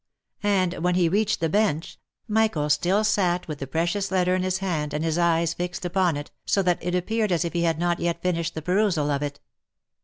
And when he reached the bench, Michael still sat with the precious letter in his hand, and his eyes fixed upon it, so that it appeared as if he had not yet finished the perusal of it.